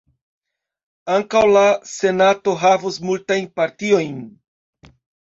Ankaŭ la Senato havos multajn partiojn.